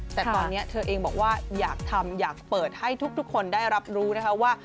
แต่ตอนนี้เธอเองบอกว่าอยากทำอยากเปิดให้ทุกคนได้รับรู้นะคะว่า